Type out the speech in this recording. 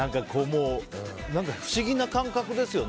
不思議な感覚ですよね。